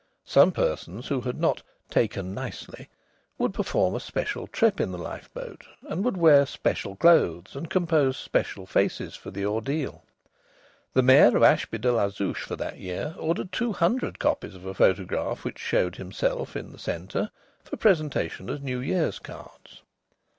Some persons who had not "taken nicely" would perform a special trip in the lifeboat and would wear special clothes and compose special faces for the ordeal. The Mayor of Ashby de la Zouch for that year ordered two hundred copies of a photograph which showed himself in the centre, for presentation as New Year's cards.